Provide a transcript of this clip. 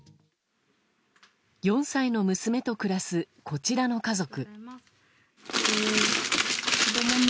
４歳の娘と暮らすこちらの家族。